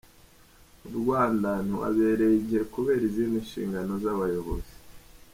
Mu Rwanda ntiwabereye igihe kubera izindi nshingano z’abayobozi.